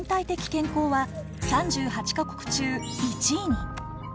健康は３８か国中１位に。